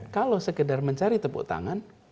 kalau sekedar mencari tepuk tangan